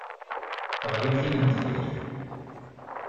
Teɣlim d timendeffirt.